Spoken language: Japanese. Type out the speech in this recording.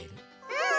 うん！